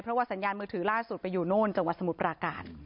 เพราะว่าสัญญาณมือถือล่าสุดไปอยู่โน่นจังหวัดสมุทรปราการ